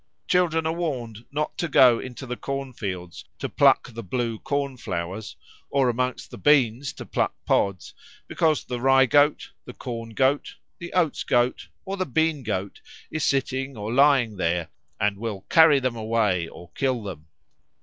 Children are warned not to go into the corn fields to pluck the blue corn flowers, or amongst the beans to pluck pods, because the Rye goat, the Corn goat, the Oats goat, or the Bean goat is sitting or lying there, and will carry them away or kill them.